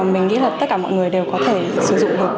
mình nghĩ là tất cả mọi người đều có thể sử dụng được